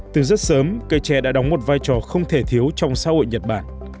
từ rất sớm cây tre đã đóng một vai trò không thể thiếu trong xã hội nhật bản